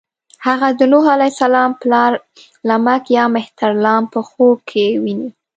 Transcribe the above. هغه د نوح علیه السلام پلار لمک یا مهترلام په خوب کې ويني.